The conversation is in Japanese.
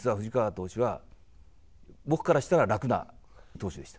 僕からしたら楽な投手でした。